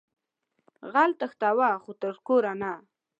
غل تېښتوه خو تر کوره نه